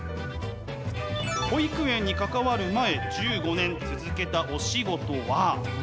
保育園に関わる前１５年続けたお仕事は。